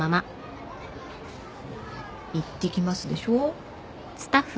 「いってきます」でしょ？